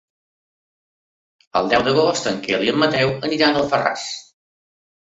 El deu d'agost en Quel i en Mateu aniran a Alfarràs.